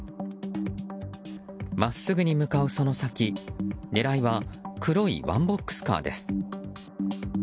真っすぐに向かうその先狙いは黒いワンボックスカーです。